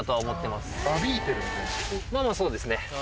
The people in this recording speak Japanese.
まぁまぁそうですね。